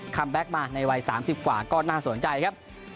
แบ็คมาในวัย๓๐กว่าก็น่าสนใจครับ